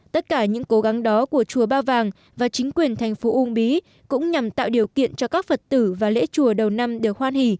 tất cả những cố gắng đó của chùa ba vàng và chính quyền thành phố uông bí cũng nhằm tạo điều kiện cho các phật tử và lễ chùa đầu năm đều hoan hỷ